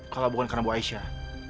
kalau bukan karena bu aisyah